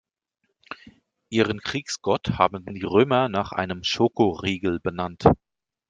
Ihren Kriegsgott haben die Römer nach einem Schokoriegel benannt.